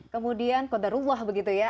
kemudian kodarullah begitu ya